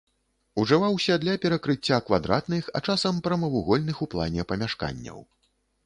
Ужываўся для перакрыцця квадратных, а часам прамавугольных у плане памяшканняў.